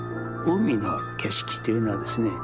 海の景色というのはですね